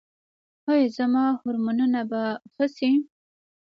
ایا زما هورمونونه به ښه شي؟